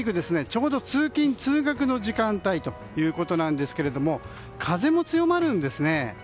ちょうど通勤・通学の時間帯ということなんですが風も強まるんですね。